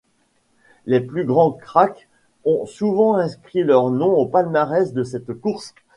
Les plus grands cracks ont souvent inscrits leur nom au palmarès de cette course.